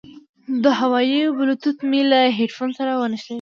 د هوواوي بلوتوت مې له هیډفون سره ونښلید.